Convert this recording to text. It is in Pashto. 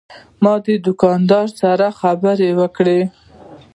ما د دوکاندار سره خبرې وکړې.